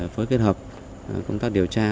phối kết hợp công tác điều tra